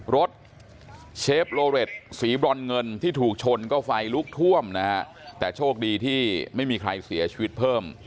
รถเชฟโลเรตสีบรอนเงินที่ถูกชนก็ไฟลุกท่วมนะฮะแต่โชคดีที่ไม่มีใครเสียชีวิตเพิ่ม